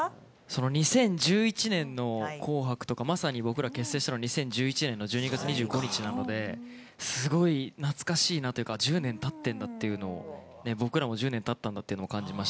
２０１１年の「紅白」とか、まさに結成したの２０１１年の１２月なのですごい懐かしいなというか１０年たってるんだっていうのが僕らも１０年たってるんだって。